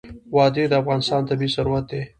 وادي د افغانستان طبعي ثروت دی.